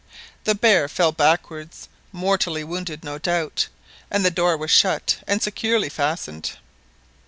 The bear fell backwards, mortally wounded no doubt, and the door was shut and securely fastened.